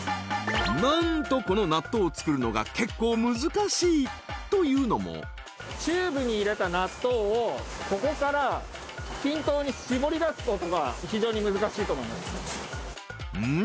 なんとこの納豆を作るのが結構難しい！というのもチューブに入れた納豆をここから均等に絞り出すことが非常に難しいと思いますうん？